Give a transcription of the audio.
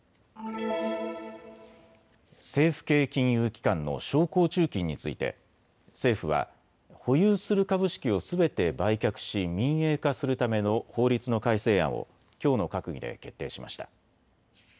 政府系金融機関の商工中金について政府は保有する株式をすべて売却し民営化するための法律の改正案をきょうの閣議で決定しました。